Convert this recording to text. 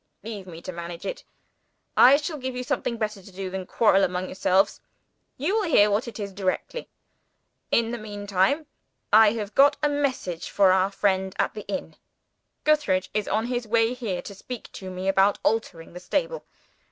"Leave me to manage it. I shall give you something better to do than quarreling among yourselves. You will hear what it is directly. In the meantime, I have got a message for our friend at the inn. Gootheridge is on his way here, to speak to me about altering the stable.